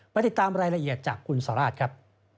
ติดตามรายละเอียดจากคุณสราชครับ